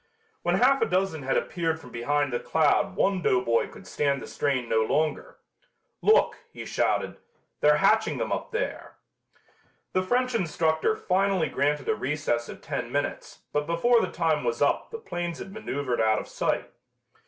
When half a dozen had appeared from behind the cloud one doughboy could stand the strain no longer. "Look," he shouted, "they're hatching them up there." The French instructor finally granted a recess of ten minutes but before the time was up the planes had maneuvered out of sight.